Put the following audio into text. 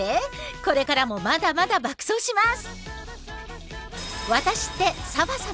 これからもまだまだ爆走します！